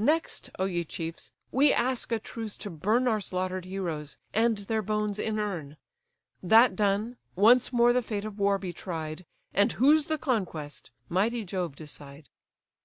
Next, O ye chiefs! we ask a truce to burn Our slaughter'd heroes, and their bones inurn. That done, once more the fate of war be tried, And whose the conquest, mighty Jove decide!"